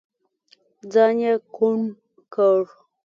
ځان يې کوڼ کړ.